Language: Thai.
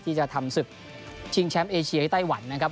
ที่จะทำศึกชิงแชมป์เอเชียที่ไต้หวันนะครับ